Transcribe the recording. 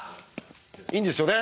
いいんですよね？